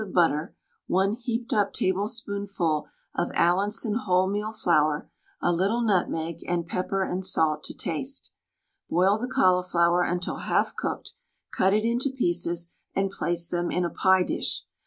of butter, 1 heaped up tablespoonful of Allinson wholemeal flour, a little nutmeg, and pepper and salt to taste. Boil the cauliflower until half cooked, cut it into pieces, and place them in a pie dish.